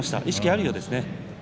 意識はあるようですね。